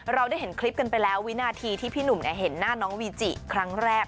เราได้เห็นคลิปกันไปแล้ววินาทีที่พี่หนุ่มเห็นหน้าน้องวีจิครั้งแรก